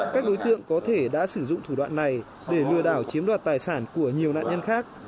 các đối tượng có thể đã sử dụng thủ đoạn này để lừa đảo chiếm đoạt tài sản của nhiều nạn nhân khác